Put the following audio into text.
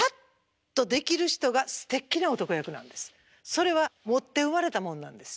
それは持って生まれたもんなんです。